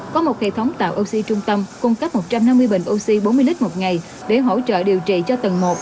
có một hệ thống tạo oxy trung tâm cung cấp một trăm năm mươi bình oxy bốn mươi lít một ngày để hỗ trợ điều trị cho tầng một